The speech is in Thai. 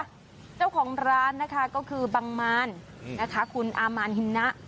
เจ้าของร้านนะคะก็คือบังมารนะคะคุณอามานฮิมนะ